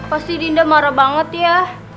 pasti dinda marah banget ya